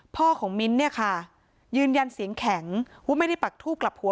พ่อของมิ้นท์เนี่ยค่ะยืนยันเสียงแข็งว่าไม่ได้ปักทูบกลับหัว